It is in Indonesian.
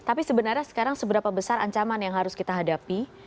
tapi sebenarnya sekarang seberapa besar ancaman yang harus kita hadapi